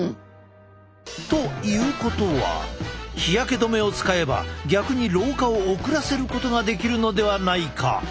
ということは日焼け止めを使えば逆に老化を遅らせることができるのではないか？